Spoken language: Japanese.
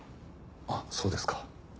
あっそうですか。